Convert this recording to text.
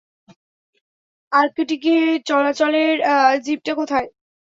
আর্কটিকে চলাচলের জিপটা কোথায়?